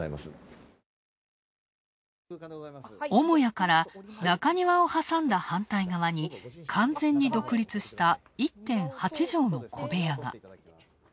母屋から中庭を挟んだ反対側に完全に独立した１．８帖の小部屋が。